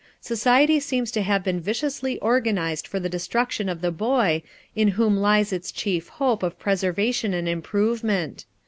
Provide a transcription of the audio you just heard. Society seems to have been viciously organized for the destruction of the boy, in whom lies its chief hope of preservation and improvement.